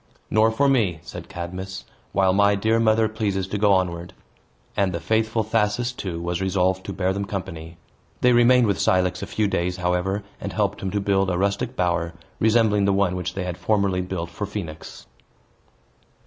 "Nor for me," said Cadmus, "while my dear mother pleases to go onward." And the faithful Thasus, too, was resolved to bear them company. They remained with Cilix a few days, however, and helped him to build a rustic bower, resembling the one which they had formerly built for Phoenix.